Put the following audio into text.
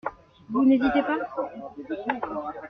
Vous n'hésitez pas?